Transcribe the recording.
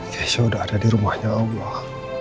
keisha udah ada di rumahnya allah